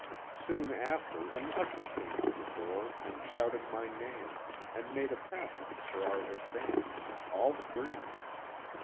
Soon after an usher came to the door and shouted my name, and made a passage for our advance — all three.